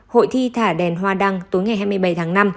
hội thi thả đèn hoa đăng tối ngày hai mươi bảy tháng năm